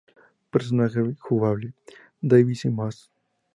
Personaje Jugable: David Mason.